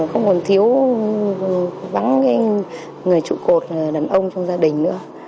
không còn thiếu vắng người trụ cột là đàn ông trong gia đình nữa